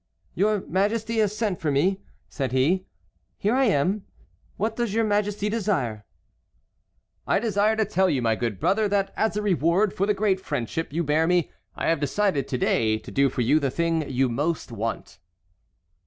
"Your Majesty has sent for me," said he. "Here I am; what does your Majesty desire?" "I desire to tell you, my good brother, that as a reward for the great friendship you bear me I have decided to day to do for you the thing you most want."